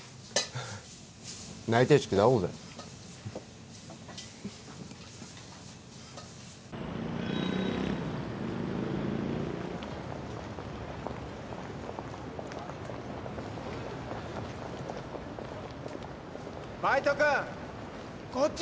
内定式で会おうぜバイト君こっち